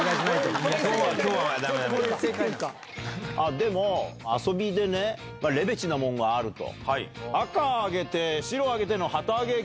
でも遊びでレベチなもんがあると。